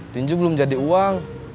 tuju belum jadi uang